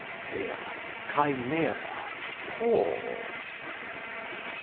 "Here, Chimera, pause!"